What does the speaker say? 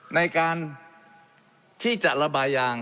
ในการที่จะระบายยาง